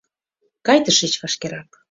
Кай тышеч вашкерак.